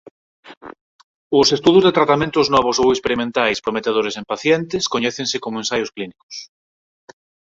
Os estudos de tratamentos novos ou experimentais prometedores en pacientes coñécense como ensaios clínicos.